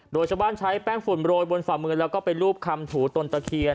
โดยชาวบ้านใช้แป้งฝุ่นโรยบนฝ่ามือแล้วก็ไปรูปคำถูตนตะเคียน